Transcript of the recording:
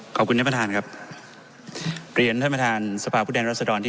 ขอบคุณท่านประธานครับเรียนท่านประธานสภาพผู้แทนรัศดรที่